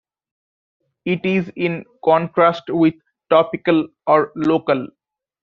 It is in contrast with "topical" or "local".